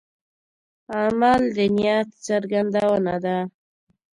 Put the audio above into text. عمل د نیت څرګندونه ده.